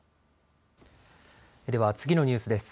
では次のニュースです。